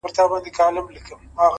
• تا خو د زمان د سمندر څپو ته واچول ,